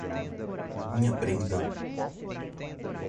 Minha prenda